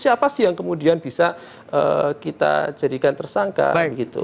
siapa sih yang kemudian bisa kita jadikan tersangka begitu